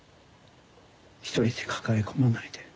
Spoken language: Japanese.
１人で抱え込まないで。